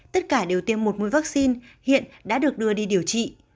tất cả đều tiêm một mũi vaccine hiện đã được đưa đi điều trị